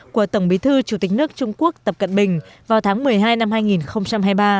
của tổng bí thư chủ tịch nước trung quốc tập cận bình vào tháng một mươi hai năm hai nghìn hai mươi ba